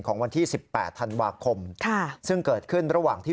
ของวันที่๑๘ธันวาคมซึ่งเกิดขึ้นระหว่างที่